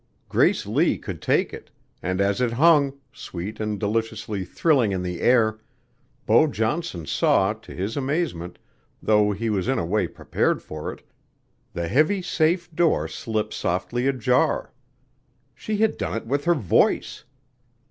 Grace Lee could take it, and as it hung, sweet and deliciously thrilling in the air, Beau Johnson saw, to his amazement, though he was in a way prepared for it, the heavy safe door slip softly ajar. She had done it with her voice.